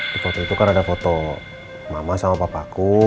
di foto itu kan ada foto mama sama papaku